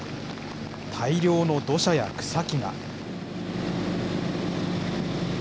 大量の土砂や草木が。